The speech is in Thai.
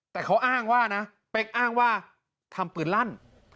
แต่เขาอ้างว่านะเป๊กอ้างว่าทำปืนลั่น